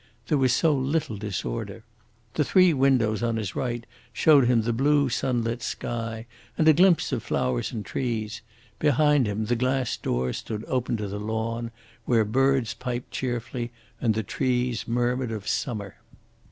There was so little disorder. The three windows on his right showed him the blue sunlit sky and a glimpse of flowers and trees; behind him the glass doors stood open to the lawn, where birds piped cheerfully and the trees murmured of summer.